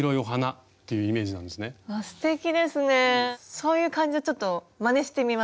そういう感じでちょっとまねしてみます。